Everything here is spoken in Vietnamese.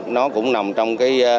nó cũng nằm trong